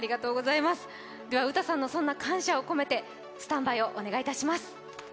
では、ウタさんのそんな感謝を込めて、スタンバイをお願いいたします。